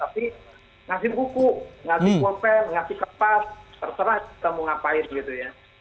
tapi ngasih buku ngasih pope ngasih kertas terserah kita mau ngapain gitu ya